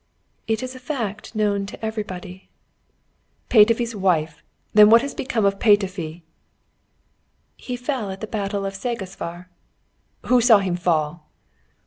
"It is a fact known to everybody." "Petöfi's wife! Then what has become of Petöfi?" "He fell at the battle of Segesvár." "Who saw him fall?"